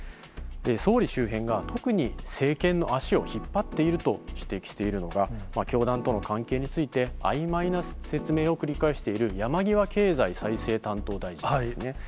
総理周辺が特に政権の足を引っ張っていると指摘しているのが、教団との関係について、あいまいな説明を繰り返している、山際経済再生担当大臣ですね。